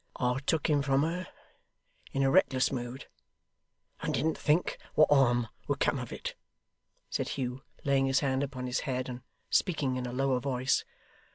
'I took him from her in a reckless mood, and didn't think what harm would come of it,' said Hugh, laying his hand upon his head, and speaking in a lower voice.